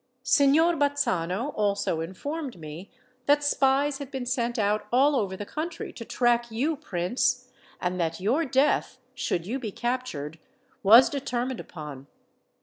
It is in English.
Signor Bazzano also informed me that spies had been sent out all over the country to track you, Prince; and that your death, should you be captured, was determined upon.